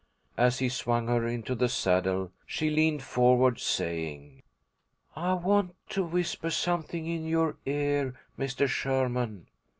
As he swung her into the saddle, she leaned forward, saying, "I want to whisper something in your ear, Mr. Sherman."